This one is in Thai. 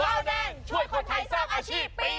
เบาแดงช่วยคนไทยสร้างอาชีพปี๒